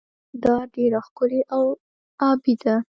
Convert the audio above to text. دا ډیره ښکلې او ابي ده.